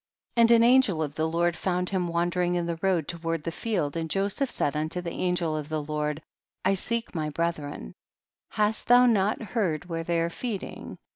22. And an angel of the Lord found him wandering in the road to ward the field, and Joseph said unto, the angel of the Lord, I seek my brethren ; hast thou not heard where they are feeding